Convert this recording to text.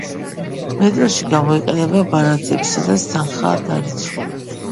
მეტროში გამოიყენება ბარათები, სადაც თანხაა დარიცხული.